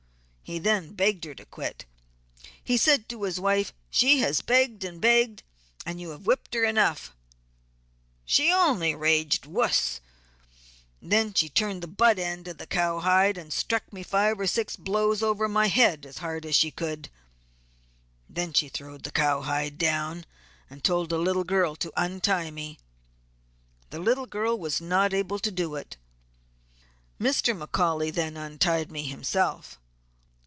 He then begged her to quit. He said to his wife she has begged and begged and you have whipped her enough. She only raged 'wus;' she turned the butt end of the cowhide and struck me five or six blows over my head as hard as she could; she then throwed the cowhide down and told a little girl to untie me. The little girl was not able to do it; Mr. McCaully then untied me himself.